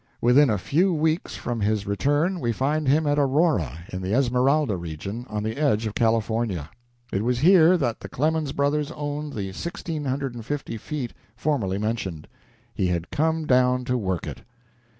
Within a few weeks from his return we find him at Aurora, in the Esmeralda region, on the edge of California. It was here that the Clemens brothers owned the 1,650 feet formerly mentioned. He had came down to work it.